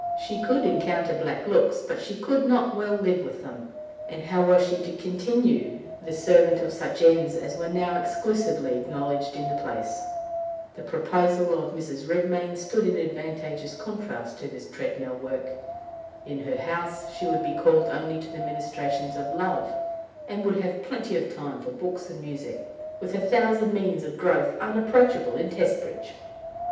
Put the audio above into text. She could encounter black looks, but she could not well live with them; and how was she to continue the servant of such ends as were now exclusively acknowledged in the place? The proposal of Mrs. Redmain stood in advantageous contrast to this treadmill work. In her house she would be called only to the ministrations of love, and would have plenty of time for books and music, with a thousand means of growth unapproachable in Testbridge.